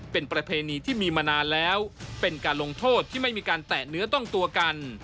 เป็นประเพณีที่มีมานานแล้วเป็นการลงโทษที่ไม่มีการแตะเนื้อต้องตัวกัน